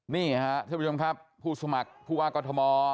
นี่ครับท่านผู้ชมครับผู้สมัครผู้บอก